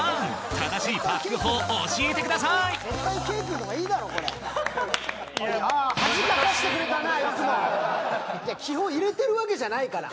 正しいパック法教えてください気泡入れてるわけじゃないから。